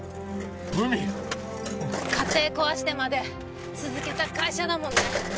海家庭壊してまで続けた会社だもんね